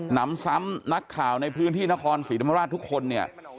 นำซ้ำนักข่าวในพื้นที่นครศรีธรรมราชทุกคนเนี่ย